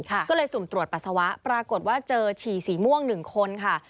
ก็เลยสุ่มตรวจปัสสาวะปรากฏว่าเจอฉี่สีม่วงหนึ่งคนค่ะ